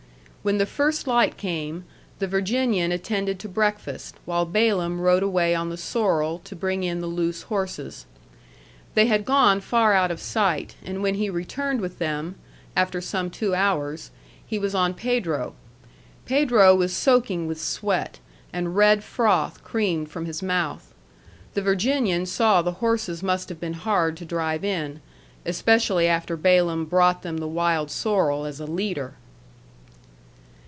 When the first light came, the Virginian attended to breakfast, while Balaam rode away on the sorrel to bring in the loose horses. They had gone far out of sight, and when he returned with them, after some two hours, he was on Pedro. Pedro was soaking with sweat, and red froth creamed from his mouth. The Virginian saw the horses must have been hard to drive in, especially after Balaam brought them the wild sorrel as a leader.